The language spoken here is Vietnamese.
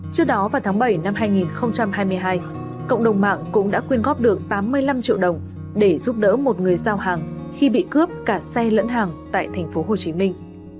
trước đó vào tháng bảy năm hai nghìn hai mươi hai cộng đồng mạng cũng đã quyên góp được tám mươi năm triệu đồng để giúp đỡ một người giao hàng khi bị cướp cả xe lẫn hàng tại thành phố hồ chí minh